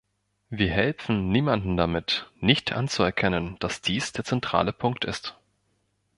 Wir helfen niemandem damit, nicht anzuerkennen, dass dies der zentrale Punkt ist.